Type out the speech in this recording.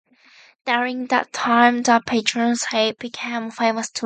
During that time the patron saint became famous too.